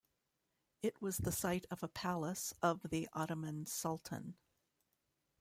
It was the site of a palace of the Ottoman sultan.